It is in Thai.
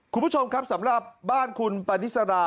คุณผู้ชมครับสำหรับบ้านคุณปาดิสรา